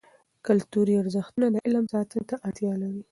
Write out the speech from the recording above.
کلتوري ارزښتونه د علم ساتنې ته اړتیا لري.